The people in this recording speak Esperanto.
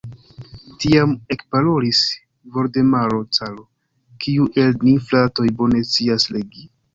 Tiam ekparolis Voldemaro caro: "Kiu el ni, fratoj, bone scias legi?"